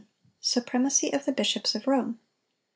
SUPREMACY OF THE BISHOPS OF ROME.